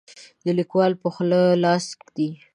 د لیکوال په خوله لاس ږدي.